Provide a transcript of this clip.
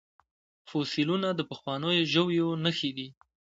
فوسیلیونه د پخوانیو ژویو نښې دي